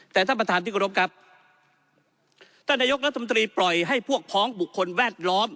แต่ท่านประธานที่กรบครับท่านนายกรัฐมนตรีปล่อยให้พวกพ้องบุคคลแวดล้อม